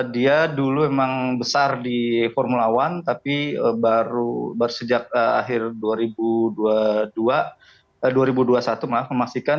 dia dulu memang besar di formula one tapi baru sejak akhir dua ribu dua puluh dua dua ribu dua puluh satu maaf memastikan